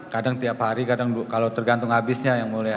kadang kadang kalau tergantung habisnya yang mulia